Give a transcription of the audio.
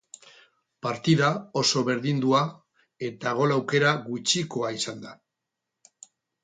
Partida oso berdindua eta gol aukera gutxikoa izan da.